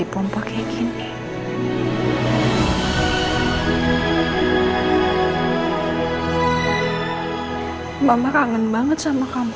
pengen cium pengen sentuh kamu